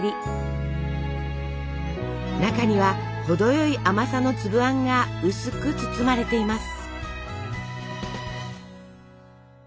中には程よい甘さの粒あんが薄く包まれています。